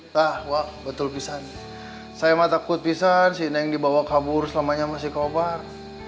lah wak betul pisang saya mah takut pisang si neng dibawa kabur selamanya sama si kobar